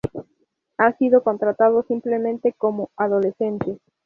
Había sido contratado simplemente como "Adolescente".